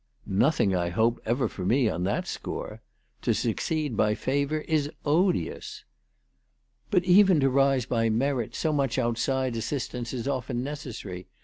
" Nothing, I hope, ever for me on that score. To succeed by favour is odious." " But even to rise by merit, so much outside assist ance is often necessary